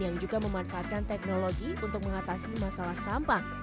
yang juga memanfaatkan teknologi untuk mengatasi masalah sampah